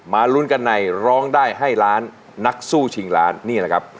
ลุ้นกันในร้องได้ให้ล้านนักสู้ชิงล้านนี่แหละครับ